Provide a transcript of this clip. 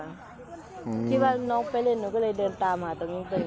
คือว่านิวไปเล่นก็เลยเดินตามหาตรงนี้